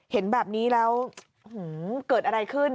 เห็นแบบนี้แล้วเกิดอะไรขึ้น